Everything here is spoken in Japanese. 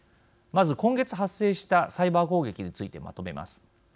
まず、今月発生したサイバー攻撃についてまとめます。